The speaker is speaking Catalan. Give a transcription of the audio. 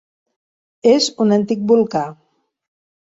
És un antic volcà.